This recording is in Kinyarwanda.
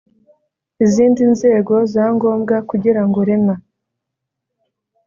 Izindi nzego za ngombwa kugira ngo rema